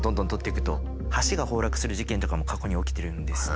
する事件とかも過去に起きてるんですね。